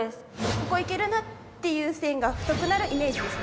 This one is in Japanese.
「ここいけるな！」っていう線が太くなるイメージですね。